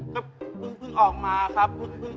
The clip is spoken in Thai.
ก็ออกมาครับ